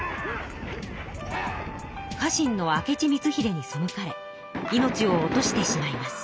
家臣の明智光秀にそむかれ命を落としてしまいます。